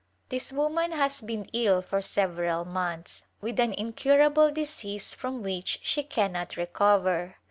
This woman has been ill for several months with an incurable disease from which she cannot recover.